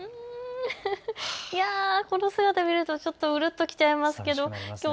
この姿見るとちょっとうるっときちゃいますけど。